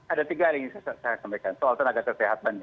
ada tiga hal yang ingin saya sampaikan soal tenaga kesehatan